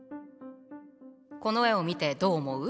この絵を見てどう思う？